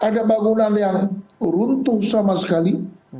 ada bangunan yang runtuh sama sekali